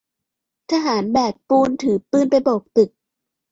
ทหารแบกปูนถือปืนไปโบกตึก